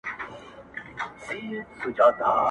شپه اوږده او سړه وي تل,